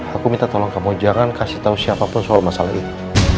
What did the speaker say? aku minta tolong kamu jangan kasih tahu siapapun soal masalah itu